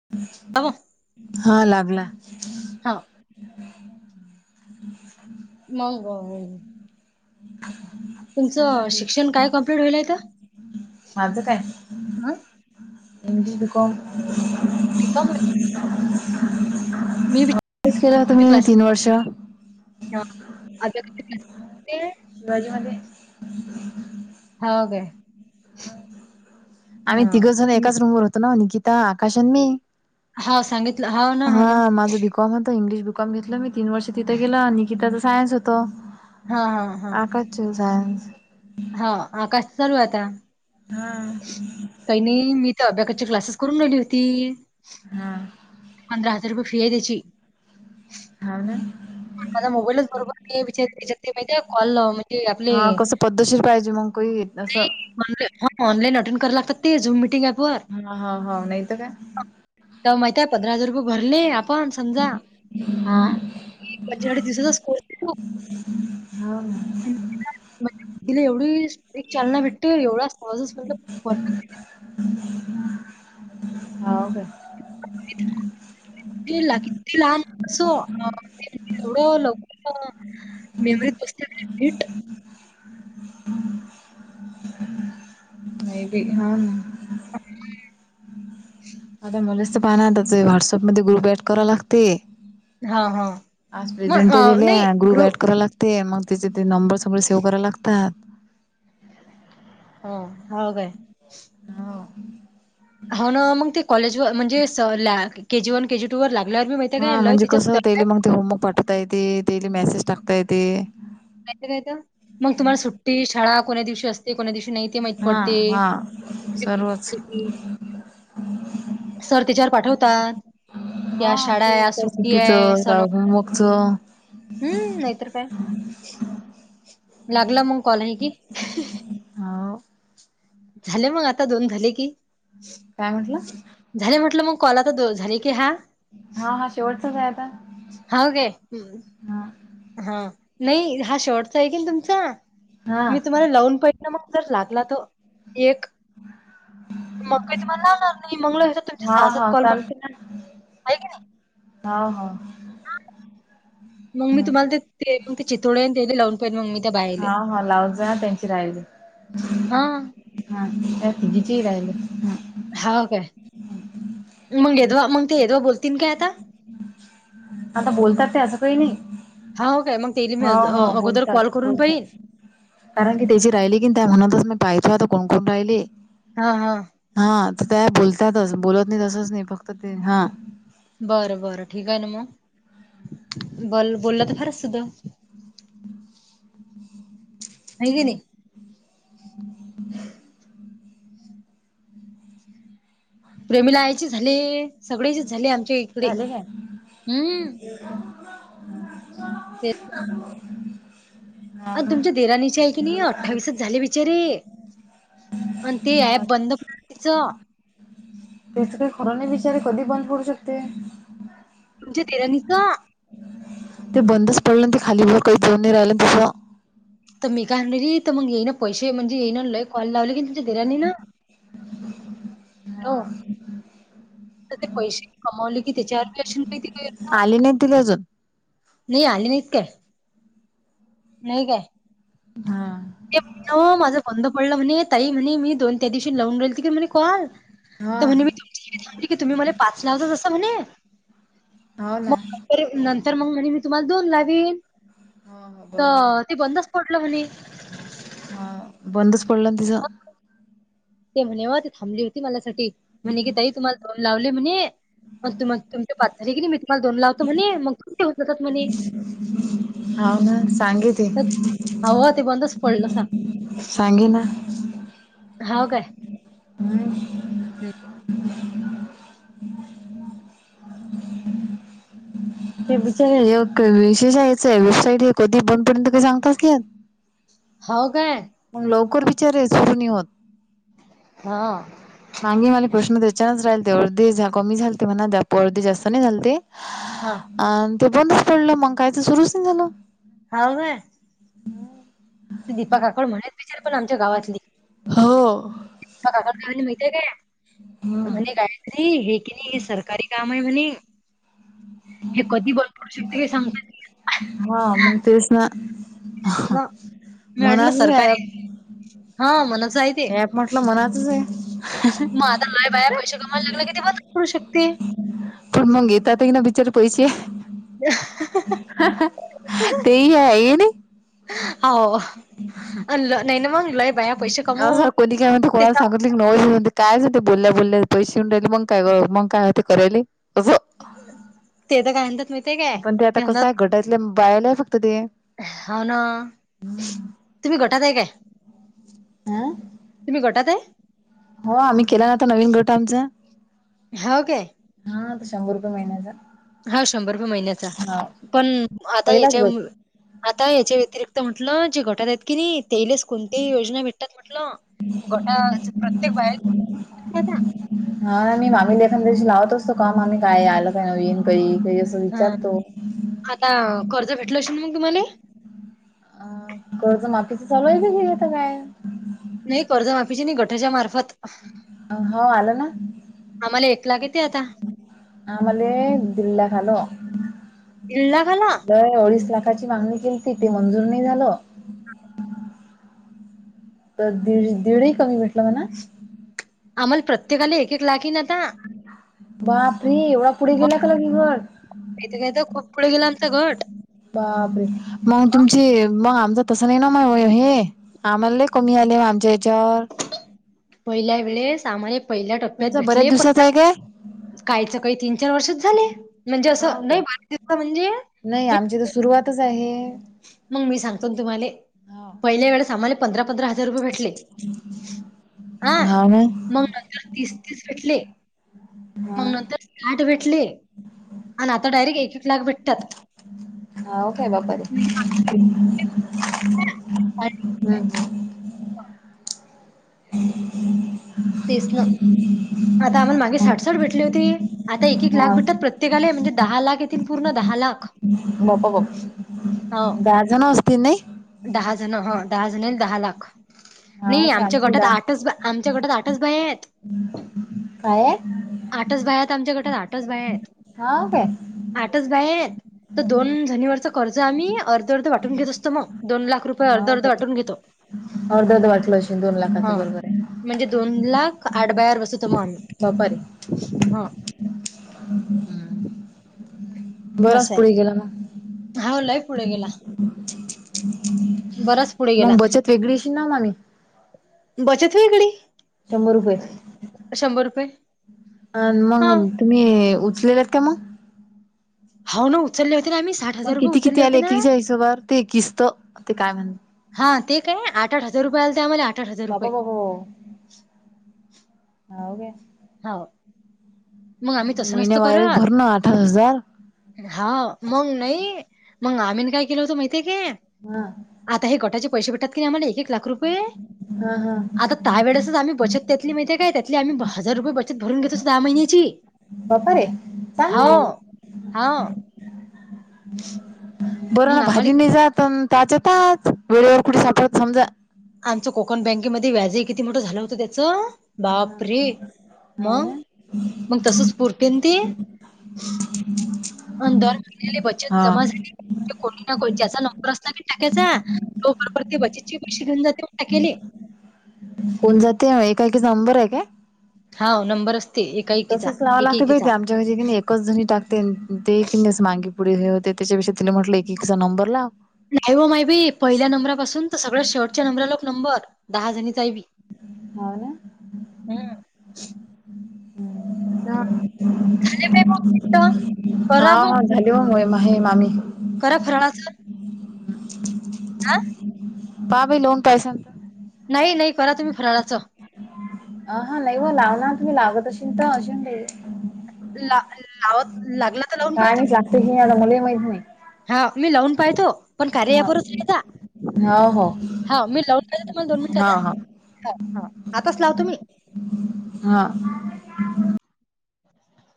[inaudible] [unintelligible] हा लागला. हा. मग. [inaudible] तुमचं शिक्षण चग, काय कम्प्लीट होईल इथं? माझ काय? हा इंगजी दक. [unintelligible] मी वि तेच केलं होतं मी क्ला. तीन वर्ष. [inaudible] शिवाजी मध्ये. हो का? आम्ही तिघंण, एकाच रूम वर होतो ना निकिता आकाशन मी. हा सांगितलं ना ना हा, माझा बिकॉम होता इंग्लिश ब कमीत कमी तीन वर्ष तिथे गेलं, आणि कि त्याचां सायनस होतं. हा हा हा. जू सायस. हा, आकास चालू आता. हा. काही नाही, मी तर अभ्याकाची क्लासेस करून राेली होती हा पंधरा हजार. तर फियेची हव ना. ला मोबाईलच बरोबर, विचार विच ते माहितीे कॉलज हा, कसं पद्धशीर पाहिजे मग कोही असं. ऑ ह ऑलाईन अटेड करा लागात, ते झम मिटि हा हा हाव नाही तर काय ते्हा माहित आहे, पंधरा हजार रुपये भरले आपण समजा हा. बच्या, दिसचा स् को. हाव ना. दीला एवढीक, चालना भेटते एवढाच आजच म्हटलंर. हो का? [unintelligible] सो, एवढं लवकर मेमरीत बसत हिट. नाही, हा ना. [inaudible] आता मुलाच तर पाहणार आ ते, व्हॉटसअपमध्येध्ये ग्रुप ऍड कराय लागते. हां, हां. आज मग प्रेझंट अ, दिले, नाही गु बॅट ग्रुप करा लागत. ते मग, त्याचे ते नंबरस वगैरे सेव कराला लागतात. हो, ह बाय. हो. हो ना मग ते कॉलेज व म्हणजे केजी वन केजी टू वर लागल्यावर मी माहिती आहे का ल त्याच्यात तर काय पहिली मंग ते होमो पाट. कुठय आहे ते ते येते मॅसेज टाकताये ते. नाहीतर काहीतर, मगं तुम्हाला सुट्टी शाळा कोन्या दिवशी असते? कोण्या दिवशी नाही ते माहीत हा पडते. हा, सर्वच. सर तिच्यावर, पाठवतात. की आज हा शाळा आहे, तेच या काय सुट्टी आहे सुट्टीचं का सन होमवर्कच हम्म नाहीतर काय? लागला मगं कॉल आहे कि ह ओ. झाले मग, आता दोन झाले की. काय म्हटलं? झाले म्हटलं मग, कॉल आता दो झाले की हा. हा हा, शेवटचच आहे आता. हो गे हा हा नाही हा शेवटचा आहे की नई तुमचा? हा मी तुम्हाला लावून पहिलं मग जर लागला तर एक. मग काही तुम्हाला लावणार नाही, मंग तुमचे हा सासात हा कॉल म्हण आहे क नाही. ह हा. मग, मी तुम्हाला ते तेग ते चितोडे ते लावून. पण मगं मी त्या बायले हा हा, लावुनजा त्यांची राहिली. हा हा तर, तिजची जीराय हा. हा काय? मग यदवा मग ते यदवा बोलतील काय आता. आता बोलतात ते, असं काही नाही. हा हो काय? मग तेली मी हो हो अगोदर बोलतात कॉल करून पाहीन. बोलतात. कारण की त्याची राहिली की, त्या म्हणतच मी पाहतो आता कोण कोण राहिले. हा हा. हा, तर त्या बोलतातच बोलत नाही तसच नाही फक्त ते हा. बरं बरं, ठीक आहे ना मग, बल बोलला तर फारच सुद्धा. [inaudible] व्हय का नाही. [inaudible] प्रेमीला यायचे झाले, सगळे्याचे झाले आमच्या इकडे झाले काय हम्म. [unintelligible] हा अ ना तुमच्या देराणीची आहे की नाही, अठ्ठावीसच झाले बिचारे. अं ते हा ॲप बंद मातीच. तेच काही खरं नाही, बिचारे कधी बंद पडू शकते. तुमच्या, तेरानी का. ते बंदच पडलं ते, खाली भर काही पोऊन नाही राहिलं तसं. तर मी काय म्ह र तर, मग येई ना पैसे म्हणजे येई ना लय कॉल लावले किी तुच्या धराांनी ना. हा. हो ते पैसे कमावले, की त्याच्याआत लक्ष्मी. [unintelligible] आली नाही तिला अजून. नाही आली नाहीत काय नाही काय हा. ते म्ह माझं बंद पडलं, म्हणे ताई म्हणे मी दोन त्या दिवशी लावून राहिल त की म्हणे कॉल. हा तर म्हण मी तुम सांगते की, तुम्ही मला पाच नावच जसं म्हणे. हाव ना. तरी नंतर मंग म्हणे मी तुम्हाला दोन लाविन तर ते बंदच पटलं होणे. हा बंदच पडलं ना तिजा मग ते म्हणेवा ते थब होती मला. टी म्हणे कि ताई तुम्हाला दोन लावले म्हणे तुम तुमचे पात तरी की नी मी तुम्हाला दोन लावतो म्हणे मग होत.. हव ना सांगे ते. हाव ते बंदच पडलं सा. सांगे ना! हाव काय हम्म हम्म. ये बिच्या योक्क यायचय वेबसाईट हे कधी बंद पडत काही सांगताच नाही. हाव काय? पण लवकर बिचारे सुरू नी होत. हां. मांगे माली प्रश्न त्याच्यानच राहिल तेवढं अर्धी झाका कमी झालते म्हणा अर्धे जास्त नाही झालते. हा. आन ते बंदच पडलं मंग काय ते सुरुच नाही झालं. हाव नाय दिपा काकड म्हणेत बिचारी पण आमच्या गावातली. हो. [unintelligible] करडनी माहतीय काय. हम्म म्हणे गायत्री हे की नाही सरकारी काम आहे म्हणे. हे कधी बंद पडशील ते सांगता हा मग तेच ना येत नाही ना. मी म्हटलं मनाचा सरकारी हा मनस आहे तेे. ऐप म्हटलं मनातच आहे. आता लय बाया पैसे कमायला लागलं की ते बंद पडू शकते. पण मग येतात आहे ना बिचार पैशे. ते ही आहे ये ने. हाव आणलं नाही ना मग लय बाया पैशे कमव. असं कोणी काय म्हणते [inaudible] [unintelligible] काय जाते बोल्या बोल्या पैशे येऊन राहिले मंग काय बरं मंग काय आहे ते करायली. असं ते तर काय म्हणतात माहितीये काय पण ते आता कसं आहे म्हणतात घटातले बायला आहे फक्त ते. हाव ना तुम्ही गटात आहे काय? हां. तुम्ही गटात आहे हो आम्ही केला ना आता नवीन गट आमचा. हाव काय हा तो शंभर रुपये महिन्याचा. हाव शंभर रुपये महिन्याचा हा पण आता पहिलाच याच्यामु गट आता याच्या व्यतिरिक्त म्हटलं जे घटाले आहेत की नाही तेलेच कोणती ही योजना भेटतात म्हटलं गटाचे प्रत्येक बाया. [inaudible] हा मी मामी लेखानदशी लावत असतो का मामी काय आलं का नवीन काही काही असं हा विचारतो. आता कर्ज भेटलं अशेल मग तुम्हाले? अ कर्ज माफीची चालू आहे [unintelligible] काय. नाही कर्जमाफीचे नाही गटाच्या मार्फत. हो आलं ना. आम्हाला एक लाख येते आता. आम्हाले दिल्ल्याख, आाल दीड लाख आला दय ओडीस लाखाची मागणी. गिलती ते मंजूर नाही झालं. तर दीड दीड ही कमी भेटलं म्हणा. आम्हाला प्रत्येकाला एक एक लाख येईन आता. बापरी एवढा पुढे गेला का मग लगे गट. [inaudible] तर खूप पुढे गेलं आमचा घट. बापरे म तुमचे म आमचं तसं नाही ना मग हे. आम्हाला लय कमी आले ओ आमच्या याच्यावर. पहिल्या वेळे सामाने पहिल्या टप्प्यात तुमचा बऱ्याच भेटले. दिवसाचा आहे काय [inaudible] काहीचा काही तीन चार वर्षच झाले म्हणजे हाव असं लई काय [inaudible] म्हणजे. नाही आमची तर सुरुवातच आहे. मग मी सांगतो ना तुम्हाले. हा पहिल्या वेळेस आम्हाला पंधरा पंधरा ह हजार रुपये भेटले आं हाव ना मग नंतर तीस-तीस भेटले. मग हा नंतर साठ भेटले आणि आता डायरेक्ट एक एक लाख भेटतात. हम् हाव काय बापारी हम्म. [inaudible] तेच ना, आता आम्हाला मागे साठसठ भेटले होते. आता एक एक लाख हा भेटतात, प्रत्येकाले म्हणजे दहा लाख येतील, पूर्ण दहा लाख. [unintelligible] दहाजण असतील नाही? दहाजणं हा, दहाजणं दहा लाख. हाव नाही काय आमच्या आमचे गटात दहा आठच बा आमच्या गटात आठच बाई आहेत. काय वय आठच बाया हायत आमच्या गटात आठच बाया हायत. हाव काय. आठच बाहेर तर दोन जणींवरचं कर्ज आम्ही अर्ध अर्ध वाटून घेत असतो मग. दोन लाख रुपये अर्ध हाव अर्ध काय वाटून घेतो. अर्ध अर्ध वाटलं अशी दोन लाखाचं हा बरोबर हाय. म्हणजे दोन लाख आठ बायावर बसवतो मग आम्ही. बाप्पा रे हां. ब बराच पुढे गेला म. हाव लई पुढे गेला. बराच पुढे गेला म बचत फेगळीशी ना माने. बचत वेगळी शंभर रुपये शंभर रुपये अन हा. मग तुम्ही उचलेलेत का मग? हावना उचलले होते ना आम्ही साठ हजार मग रुपये किती किती उचलले आले होते ना. एकीच्या हिशोबावर ते एकीस तर ते काय म्हण हा ते काय आठ आठ हजार रुपये आलते आम्हाला आठ आठ हजार बापा रुपये. बापा हाव काय? हाव मग आम्ही आणि तसं नसतं महिन्या वायरच करत. भरणं आठ हजार. हाव मंग नाही मंग आम्हीने काय केलं होतं माहितीय काय? हा. आता हे घटाचे पैसे भेटतात की आम्हाला एक एक लाख रुपये हा हा आता त्या वेळेसच आम्ही बचत त्यातली माहिती हाय का, त्यातली आम्ही हजार रुपये बचत भरून घेतोच दहा महिन्याची. बप्पा रे चांगलाय मग. हा. बरं मग ना आम्हाला भाजी नाही किती जात, त्याचताच वेळेवर कुठे सापडत समजा आमचं कोकण बँकेमध्ये व्याज ही किती मोठं झालं होतं त्याचं. बाप रे हाव मग, ना. मग तसच पुरतेन ते? [unintelligible] दर महिली बचत हा जमा झाली, कोणी ना ज्याचा नंबर असला की टाक्याचा बापाचे बचत चे पैसे घेऊन जातो टाकायले. कोण ज ते एकाकी नंबर आहे काय? हा नंबर असते, एकाएकीचा एकएकीचा. क एकच जणी टाकते ते, क अस मागे पुढे हे होते त्याच्यापेक्षा तिने म्हटलं एकचा नंबर लाव. नाही हो माय बी, पहिल्या नंबरापासून तर सगळ्या शेर्टच्या नंबरलाोक नंबर दहा जणीचा आहे बी. हो ना. हं. हां. झाले बाई मग मिनिटं. हा करा हा. मग [unintelligible] मामी. करा फरळाच आं. बाबा लोन काय सांगत नाही नाही, करा तुम्ही फराळाचं! अ हा नाही व लावणार, तुम्ही लावतशीलल तर अजून दे ला, लावत. लागला तर लावून का नाहीचगते क आ मुले माहीत नाही. हा मी लावून पाहतो, पण कार्या यापच राता हा हो हो हा मी लावून का तुम्हाला दोन हा हा मिनिटात, आताच लाव तु म्ही हा.